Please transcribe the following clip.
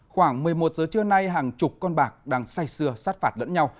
khoảng một mươi một giờ trưa nay hàng chục con bạc đang say sưa sát phạt lẫn nhau